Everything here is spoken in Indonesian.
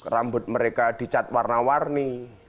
rambut mereka dicat warna warni